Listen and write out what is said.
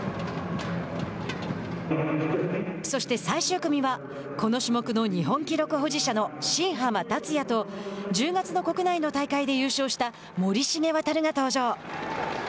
そして、最終組はこの種目の日本記録保持者の新濱立也と１０月の国内の大会で優勝した森重航が登場。